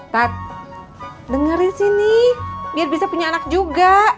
tat dengerin sini biar bisa punya anak juga